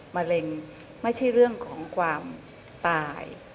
มะเร็งไม่ใช่เรื่องของความตาย